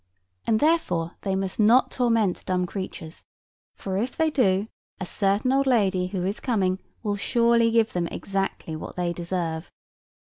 And therefore they must not torment dumb creatures; for if they do, a certain old lady who is coming will surely give them exactly what they deserve.